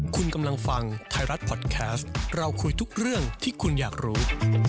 คุณกำลังฟังไทยรัฐพอดแคสต์เราคุยทุกเรื่องที่คุณอยากรู้